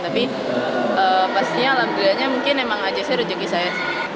tapi pastinya alhamdulillahnya mungkin memang aja saya rejeki saya